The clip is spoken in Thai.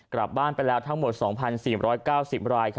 กลับบ้านไปแล้วทั้งหมด๒๔๙๐ราย